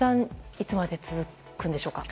いつまで続くんでしょうか。